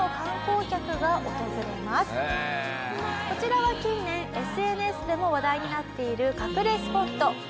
こちらは近年ＳＮＳでも話題になっている隠れスポット。